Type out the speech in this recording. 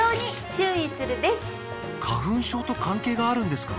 花粉症と関係があるんですか？